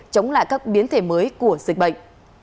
chống lại các biến thể mới của dịch bệnh